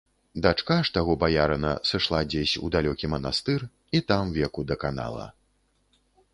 Дачка ж таго баярына зышла дзесь у далёкі манастыр і там веку даканала.